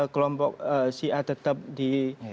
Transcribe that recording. kelompok si a tetap di